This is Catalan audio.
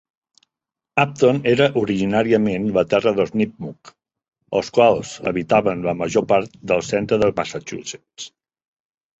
Upton era originàriament la terra dels Nipmuc, els quals habitaven la major part de centre de Massachusetts.